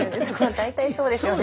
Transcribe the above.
大体そうですよね。